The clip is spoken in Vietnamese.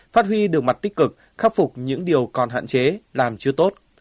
phát huy được mặt tích cực khắc phục những điều còn hạn chế làm chưa tốt